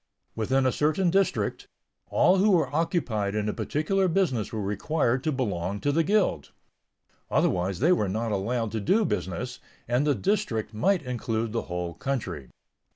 Within a certain district, all who were occupied in a particular business were required to belong to the guild; otherwise they were not allowed to do business, and the "district" might include the whole country.